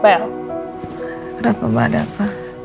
well kenapa ma ada apa